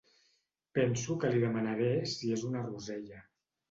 Penso que li demanaré si és una rosella.